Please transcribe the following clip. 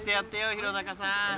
弘中さん。